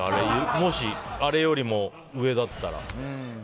もし、あれよりも上だったら。